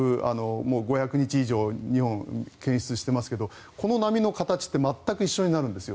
もう５００日以上日本は検出していますけれどこの波の形って全く一緒になるんですよ。